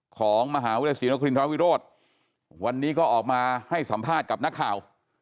ของมหาวิทยาลัยศรีนครินทราวิโรธวันนี้ก็ออกมาให้สัมภาษณ์กับนักข่าว